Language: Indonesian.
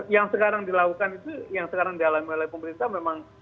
yang sekarang dilakukan itu yang sekarang dialami oleh pemerintah memang